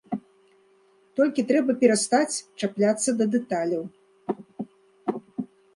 Толькі трэба перастаць чапляцца да дэталяў.